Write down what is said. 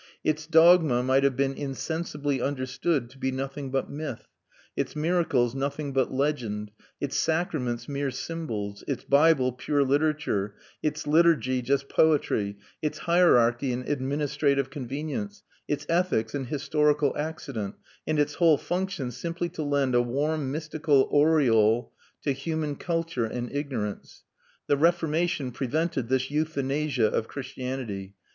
Its dogma might have been insensibly understood to be nothing but myth, its miracles nothing but legend, its sacraments mere symbols, its Bible pure literature, its liturgy just poetry, its hierarchy an administrative convenience, its ethics an historical accident, and its whole function simply to lend a warm mystical aureole to human culture and ignorance. The Reformation prevented this euthanasia of Christianity.